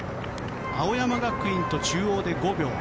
青山学院と中央で５秒。